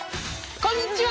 こんにちは！